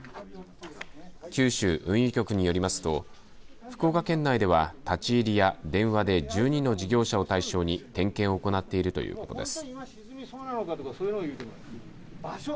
九州運輸局によりますと福岡県内では立ち入りや電話で１２の事業者を対象に点検を行っているということです。